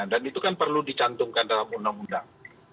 dan itu kan perlu dicantumkan dalam undang undang